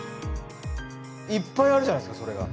いっぱいあるじゃないですかそれが。